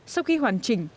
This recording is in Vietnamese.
sau khi hoàn chỉnh